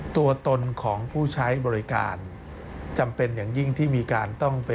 ตัวตนของผู้ใช้บริการ